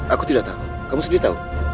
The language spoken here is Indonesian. aku tidak tahu kamu sendiri tahu